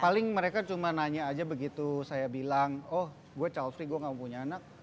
paling mereka cuma nanya aja begitu saya bilang oh gue childy gue gak punya anak